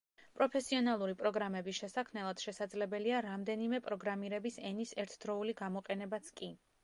პროფესიონალური პროგრამების შესაქმნელად შესაძლებელია რამდენიმე პროგრამირების ენის ერთდროული გამოყენებაც კი.